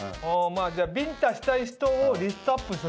じゃあビンタしたい人をリストアップするとか？